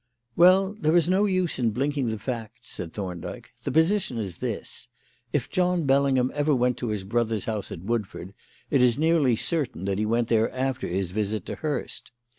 "Well, there is no use in blinking the facts," said Thorndyke. "The position is this: If John Bellingham ever went to his brother's house at Woodford, it is nearly certain that he went there after his visit to Hurst.